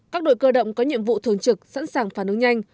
các đội cơ động có nhiệm vụ thường trực sẵn sàng phản ứng nhanh